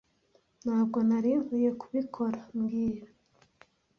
Ntabwo nari nkwiye kubikora mbwira